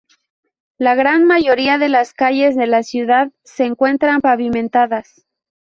La gran mayoría de las calles de la ciudad se encuentran pavimentadas.